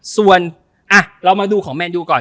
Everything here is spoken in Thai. ส่วนเรามาดูของแมนยูก่อน